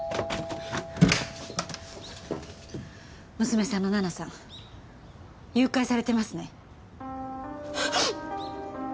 娘さんの奈々さん誘拐されてますね？